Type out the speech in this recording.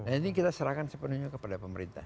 nah ini kita serahkan sepenuhnya kepada pemerintah